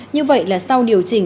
như vậy là sau điều chỉnh